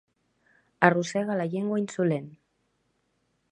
Arrossega la llengua insolent.